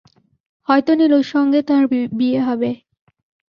হয়তো নীলুর সঙ্গে তাঁর বিয়ে হবে।